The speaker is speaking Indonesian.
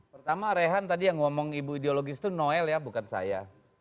pertama rehan tadi yang ngomong ibu ideologis itu noel ya bukan saya